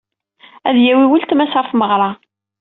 Ad d-yawey weltma-s ɣer tmeɣra.